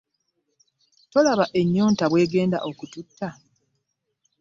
Tolaba ennyonta bw'egenda okututta.